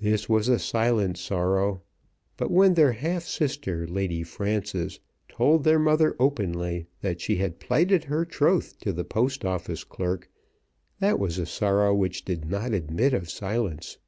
This was a silent sorrow; but when their half sister Lady Frances told their mother openly that she had plighted her troth to the Post Office clerk, that was a sorrow which did not admit of silence.